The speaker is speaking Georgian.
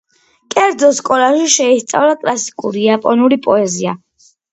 კერძო სკოლაში შეისწავლა კლასიკური იაპონური პოეზია.